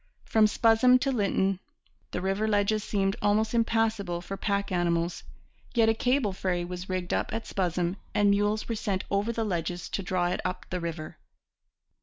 From Spuzzum to Lytton the river ledges seemed almost impassable for pack animals; yet a cable ferry was rigged up at Spuzzum and mules were sent over the ledges to draw it up the river.